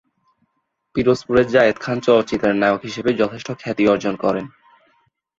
পিরোজপুরের জায়েদ খান চলচ্চিত্রে নায়ক হিসেবে যথেষ্ট খ্যাতি অর্জন করেন।